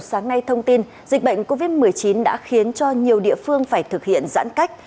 sáng nay thông tin dịch bệnh covid một mươi chín đã khiến cho nhiều địa phương phải thực hiện giãn cách